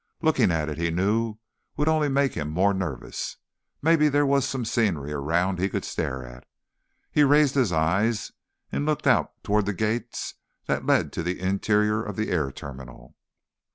Looking at it, he knew, would only make him more nervous. Maybe there was some scenery around that he could stare at. He raised his eyes and looked out toward the gates that led to the interior of the air terminal.